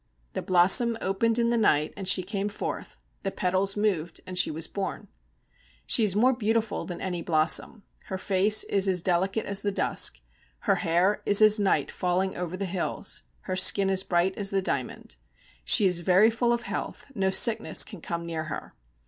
The blossom opened in the night, and she came forth; the petals moved, and she was born. She is more beautiful than any blossom; her face is as delicate as the dusk; her hair is as night falling over the hills; her skin is as bright as the diamond. She is very full of health, no sickness can come near her.